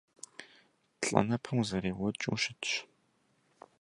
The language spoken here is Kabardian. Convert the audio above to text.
Плӏанэпэм узэреуэкӏыу щытщ.